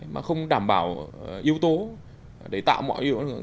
mà không đảm bảo yếu tố để tạo mọi điều kiện